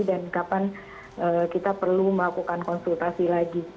dan kapan kita perlu melakukan konsultasi lagi